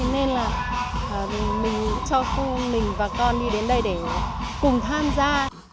thì nên là mình cho mình và con đi đến đây để cùng tham gia